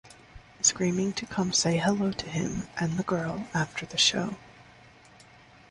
Screaming to come say hello to him and the girl after the show.